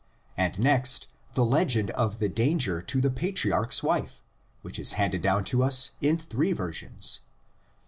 and next the legend of the danger to the patriarch's wife, which is handed down to us in three versions (xii.